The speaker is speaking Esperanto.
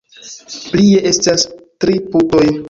Plie, estas tri putoj.